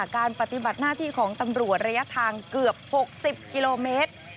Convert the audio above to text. การปฏิบัติหน้าที่ของตำรวจระยะทางเกือบ๖๐กิโลเมตร